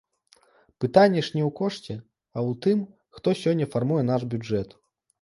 Пытанне ж не ў кошце, а ў тым, хто сёння фармуе наш бюджэт.